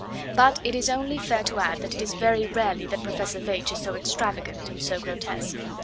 But it is only fair to add that it is very rarely that Professor Veitch is so extravagant and so grotesque.